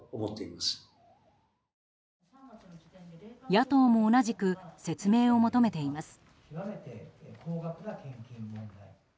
野党も同じく説明を求めています。